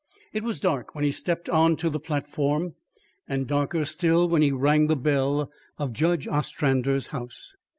It was dark when he stepped on to the platform, and darker still when he rang the bell of Judge Ostrander's house.